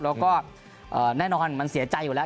แล้วก็แน่นอนมันเสียใจอยู่แล้ว